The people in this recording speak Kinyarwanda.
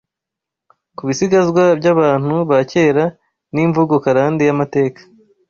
ku bisigazwa by’abantu ba kera n’imvugo karande y’amateka